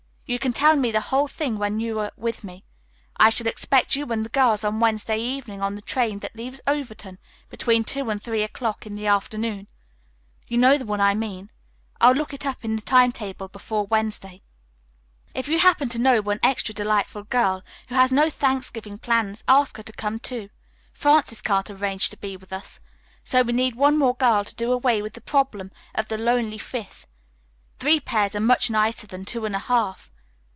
You can tell me the whole thing when you are with me. I shall expect you and the girls on Wednesday evening on the train that leaves Overton between two and three o'clock in the afternoon. You know the one I mean. I'll look it up in the time table before Wednesday. "If you happen to know one extra delightful girl who has no Thanksgiving plans ask her to come, too. Frances can't arrange to be with us, so we need one more girl to do away with the problem of the 'lonely fifth.' Three pairs are much nicer than two and a half.